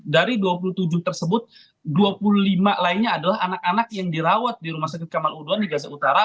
dari dua puluh tujuh tersebut dua puluh lima lainnya adalah anak anak yang dirawat di rumah sakit kamal udon di gaza utara